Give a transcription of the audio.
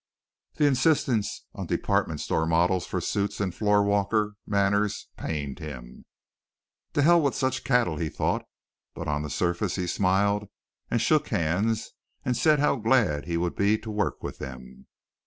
The insistence on department store models for suits and floor walker manners pained him. "To hell with such cattle," he thought, but on the surface he smiled and shook hands and said how glad he would be to work with them.